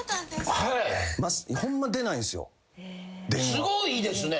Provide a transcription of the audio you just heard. すごいですね。